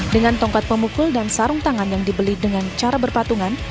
dengan tongkat pemukul dan sarung tangan yang dibeli dengan cara berpatungan